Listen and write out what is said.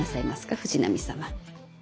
藤波様。